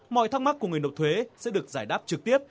mọi thắc mắc của người nộp thuế sẽ được giải đáp trực tiếp